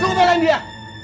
lo ngebelain dia